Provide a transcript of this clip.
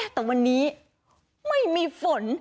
แต่วันนี้ไม่มีฝน